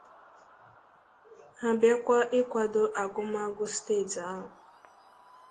ha bịakwa ịkwàdò agụmakwụkwọ steeti ahụ.